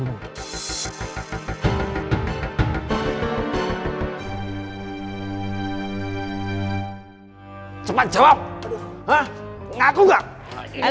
jadi akan berusaha semaksimal